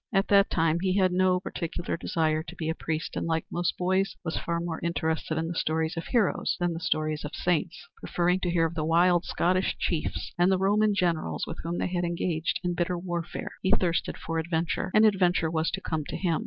At that time he had no particular desire to be a priest, and, like most boys, was far more interested in the stories of heroes than the stories of saints, preferring to hear of the wild Scottish chiefs and the Roman Generals with whom they had engaged in bitter warfare. He thirsted for adventure, and adventure was to come to him.